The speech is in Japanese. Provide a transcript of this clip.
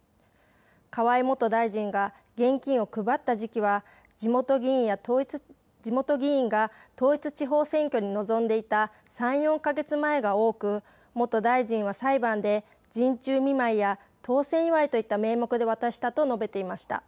河井元大臣が現金を配った時期は地元議員が統一地方選挙に臨んでいた３、４か月前が多く元大臣は裁判で、陣中見舞いや当選祝いといった名目で渡したと述べていました。